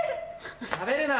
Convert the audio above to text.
しゃべるな！